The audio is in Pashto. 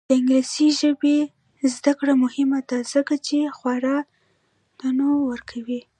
د انګلیسي ژبې زده کړه مهمه ده ځکه چې خواړه تنوع ورکوي.